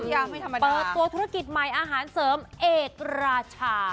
ยังไม่ทำไมเปิดตัวธุรกิจใหม่อาหารเสริมเอกราชา